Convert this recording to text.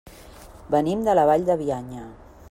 Venim de la Vall de Bianya.